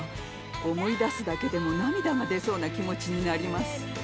思い出すだけでも涙が出そうな気持ちになります。